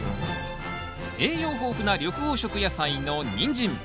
栄養豊富な緑黄色野菜のニンジン。